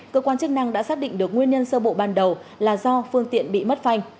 cơ quan chức năng đã xác định được nguyên nhân sơ bộ ban đầu là do phương tiện bị mất phanh